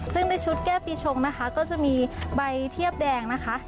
ซึ่งในชุดแก้ปีชงนะคะก็จะมีใบเทียบแดงนะคะ